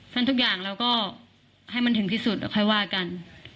ซึ่งทุกอย่างเราก็ให้มันถึงที่สุดแล้วค่อยว่ากัน